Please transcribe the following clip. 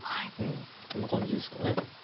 こんな感じですかね。